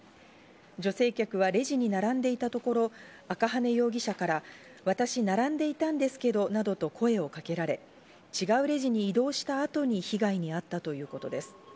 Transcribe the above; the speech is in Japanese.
女性客はレジに並んでいたところ、赤羽容疑者から私、並んでいたんですけどなどと声をかけられ、違うレジに移動した後に被害に遭ったということです。